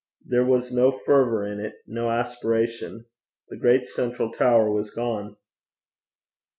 There was no fervour in it, no aspiration. The great central tower was gone.